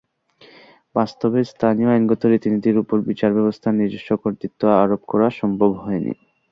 বাস্তবে স্থানীয় আইনগত রীতিনীতির ওপর বিচারব্যবস্থার নিজস্ব কর্তৃত্ব আরোপ করা সম্ভব হয় নি।